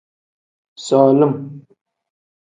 Solim.